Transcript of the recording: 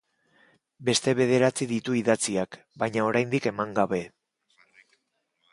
Beste bederatzi ditu idatziak, baina oraindik eman gabe.